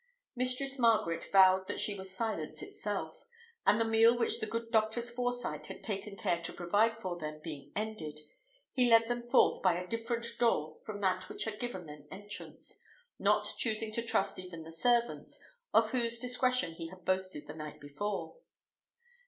Mistress Margaret vowed that she was silence itself; and the meal which the good doctor's foresight had taken care to provide for them being ended, he led them forth by a different door from that which had given them entrance, not choosing to trust even the servants, of whose discretion he had boasted the night before.